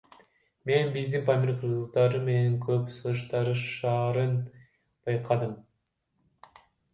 Мен бизди Памир кыргыздары менен көп салыштырышаарын байкадым.